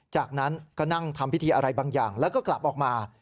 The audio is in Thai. จากนั้นก็นั่งทำพิธีอะไรบางอย่างแล้วก็กลับออกมา